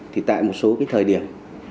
thì tại một số cái thời điểm